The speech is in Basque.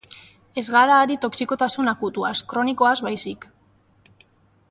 Ez gara ari toxikotasun akutuaz, kronikoaz baizik.